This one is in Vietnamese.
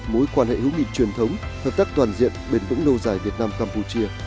mối quan hệ hữu nghị truyền thống hợp tác toàn diện bền vững lâu dài việt nam campuchia